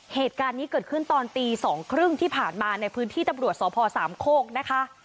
เหตุการณ์นี้เกิดขึ้นตอนตี๒๓๐ที่ผ่านมาในพื้นที่ตำรวจสพสามโคกนะคะ